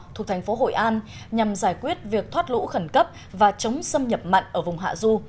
thuộc thành phố hội an nhằm giải quyết việc thoát lũ khẩn cấp và chống xâm nhập mặn ở vùng hạ du